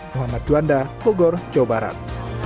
muhammad juanda bogor jawa barat